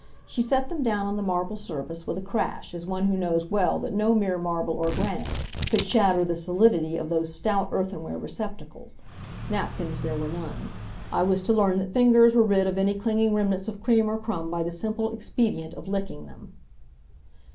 She set them down on the marble surface with a crash as one who knows well that no mere marble or granite could shatter the solidity of those stout earthenware receptacles. Napkins there were none. I was to learn that fingers were rid of any clinging remnants of cream or crumb by the simple expedient of licking them.